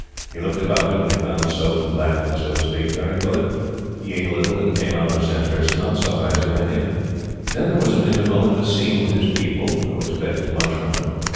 He looked about him, and he found soap and blacking, so to speak, very good. He ate a little, and came out of Sandhurst not so high as he went in. Then there was an interval and a scene with his people, who expected much from him.